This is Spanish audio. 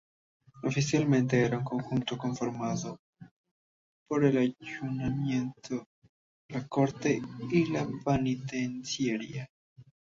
Oficialmente era un conjunto conformado por el ayuntamiento, la corte y la penitenciaría.